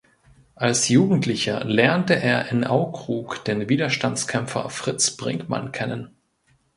Als Jugendlicher lernte er in Aukrug den Widerstandskämpfer Fritz Bringmann kennen.